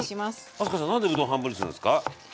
明日香さん何でうどん半分にするんですか？